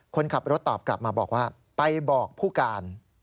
คนขับรถตอบกลับมาบอกว่าไปบอกผู้การ